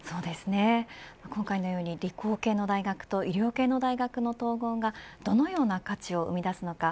今回のように理工系の大学と医療系の大学の統合がどのような価値を生み出すのか。